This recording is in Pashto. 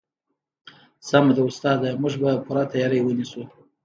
سمه ده استاده موږ به پوره تیاری ونیسو